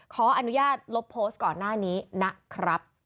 ขออนุญาตลบโพสต์ก่อนหน้านี้นะครับ